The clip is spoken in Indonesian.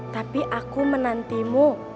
tapi aku menantimu